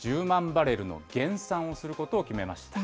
バレルの減産をすることを決めました。